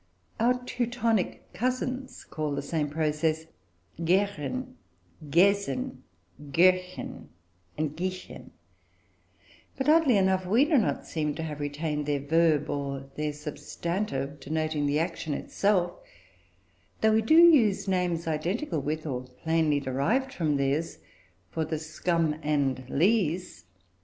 Our Teutonic cousins call the same process "gähren," "gäsen," "göschen," and "gischen"; but, oddly enough, we do not seem to have retained their verb or their substantive denoting the action itself, though we do use names identical with, or plainly derived from, theirs for the scum and lees.